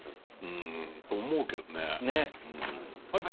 うん。と思うけどね。